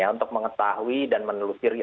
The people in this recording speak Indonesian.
untuk mengetahui dan menelusuri